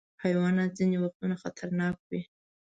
حیوانات ځینې وختونه خطرناک وي.